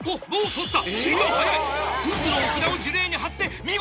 取った。